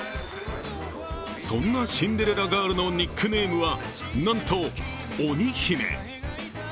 そんなシンデレラガールのニックネームはなんと鬼姫。